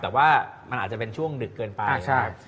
แต่ว่ามันอาจจะเป็นช่วงดึกเกินไป